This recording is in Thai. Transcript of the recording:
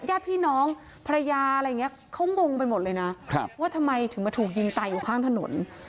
ยาดพี่น้องพระยาเขางงไปหมดเลยนะว่าทำไมถึงมาถูกยิงตายอยู่ข้างถนน